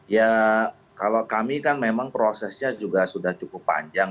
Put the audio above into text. ya kalau kami kan memang prosesnya juga sudah cukup panjang